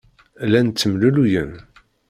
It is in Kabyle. Llan ttemlelluyen.